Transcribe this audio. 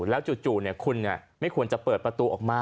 แล้วจู่คุณไม่ควรจะเปิดประตูออกมา